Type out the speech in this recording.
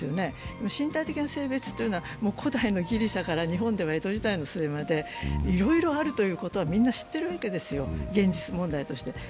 でも、身体的な性別というのは、古代のギリシャから日本では江戸時代の末までいろいろあるということはみんな知っているわけですよ、現実問題として。